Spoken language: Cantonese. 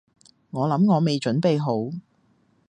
我諗我未準備好